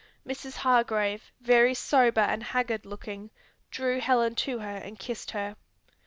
Mrs. Hargrave, very sober and haggard looking, drew Helen to her and kissed her.